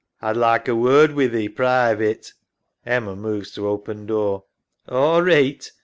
A'd like a word wi' thee private. [Emma moves to open door. SARAH. All reeght.